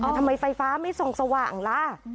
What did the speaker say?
ทำไมไฟฟ้าไม่ส่องสว่างล่ะ